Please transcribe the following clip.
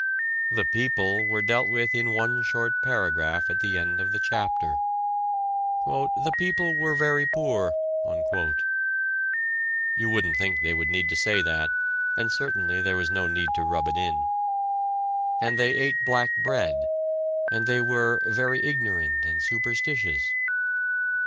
The "people" were dealt with in one short paragraph at the end of the chapter: "The People were very poor" (you wouldn't think they would need to say that, and certainly there was no need to rub it in), and they "ate black bread," and they were "very ignorant and superstitious."